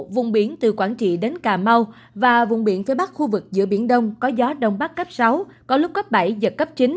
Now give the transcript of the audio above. vùng biển từ quảng trị đến cà mau và vùng biển phía bắc khu vực giữa biển đông có gió đông bắc cấp sáu có lúc cấp bảy giật cấp chín